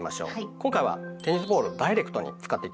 今回はテニスボールをダイレクトに使っていきますよ。